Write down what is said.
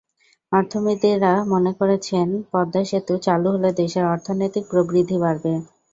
অর্থনীতিবিদেরা মনে করছেন, পদ্মা সেতু চালু হলে দেশের অর্থনৈতিক প্রবৃদ্ধি বাড়বে।